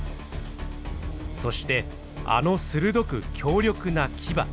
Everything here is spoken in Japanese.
そしてあの鋭く強力な牙。